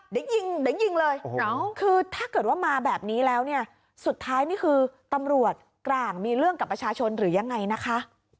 เดี๋ยวยิงเดี๋ยวยิงเลยคือถ้าเกิดว่ามาแบบนี้แล้วเนี่ยสุดท้ายนี่คือตำรวจกลางมีเรื่องกับประชาชนหรือยังไงนะคะ